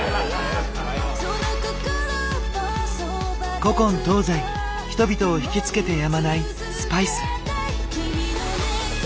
古今東西人々を惹きつけてやまないスパイス。